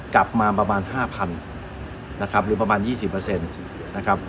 กลับมาประมาณห้าพันนะครับหรือประมาณยี่สิบเปอร์เซ็นต์นะครับ